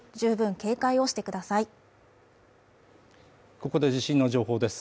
ここで地震の情報です